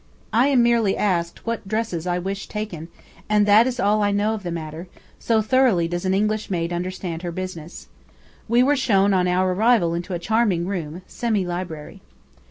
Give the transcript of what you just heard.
I am merely asked what dresses I wish taken, and that is all I know of the matter, so thoroughly does an English maid understand her business. We were shown on our arrival into a charming room, semi library.